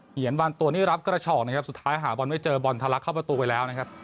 ียนบางตัวนี่รับกระฉอกนะครับสุดท้ายหาบอลไม่เจอบอลทะลักเข้าประตูไปแล้วนะครับ